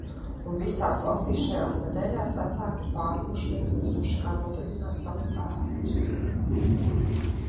Un visās valstīs šajās nedēļās vecāki ir pārguruši un izmisuši, kā nodarbināt savus bērnus.